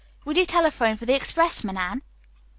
Will you telephone for the expressman, Anne?"